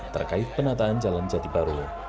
terkait penataan jalan jati baru